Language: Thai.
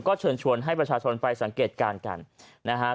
ก็เชิญชวนให้ประชาชนไปสังเกตการณ์กันนะฮะ